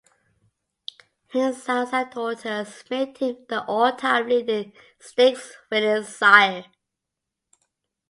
His sons and daughters made him the all-time leading stakeswinning sire.